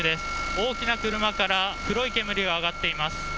大きな車から黒い煙が上がっています。